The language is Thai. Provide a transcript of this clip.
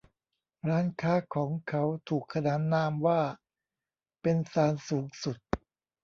ร้านค้าของเขาถูกขนานนามว่าเป็น ศาลสูงสุด